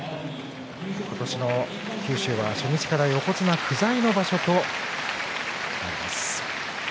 今年の九州は初日から横綱不在の場所となります。